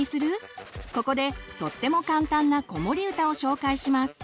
ここでとっても簡単な子守歌を紹介します。